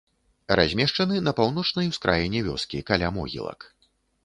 Размешчаны на паўночнай ускраіне вёскі, каля могілак.